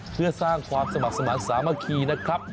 เพื่อสร้างความสมัครสมาธิสามัคคีนะครับ